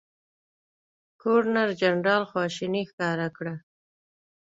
ګورنرجنرال خواشیني ښکاره کړه.